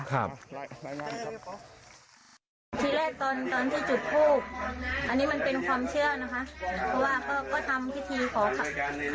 ที่แรกตอนที่จุดพูดอันนี้มันเป็นความเชื่อนะคะ